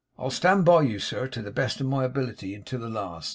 I'll stand by you, sir, to the best of my ability, and to the last.